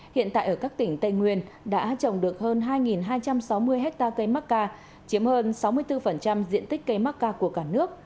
hiện tại ở các tỉnh tây nguyên đã trồng được hơn hai hai trăm sáu mươi hectare cây mắc ca chiếm hơn sáu mươi bốn diện tích cây mắc ca của cả nước